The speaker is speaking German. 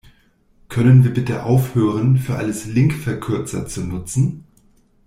Können wir bitte aufhören, für alles Linkverkürzer zu nutzen?